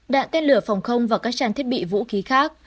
đạn tên lửa phòng không và các trang thiết bị vũ khí khác